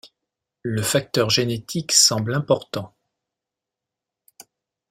Le facteur génétique semble important.